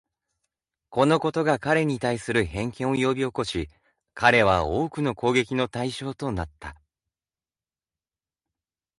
このことが彼に対する偏見を呼び起こし、彼は多くの攻撃の対象となった。